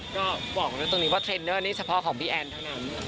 ก็บอกไว้ตรงนี้ว่าเทรนเนอร์นี่เฉพาะของพี่แอนเท่านั้น